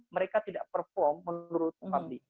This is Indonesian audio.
mereka tidak perform menurut fadli